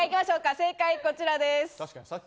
正解こちらです。